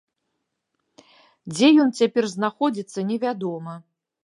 Дзе ён цяпер знаходзіцца, невядома.